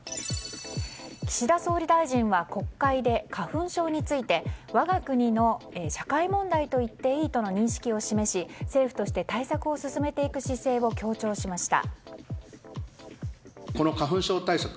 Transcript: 岸田総理大臣は国会で花粉症について我が国の社会問題といっていいとの認識を示し政府として対策を進めていく姿勢を強調しました。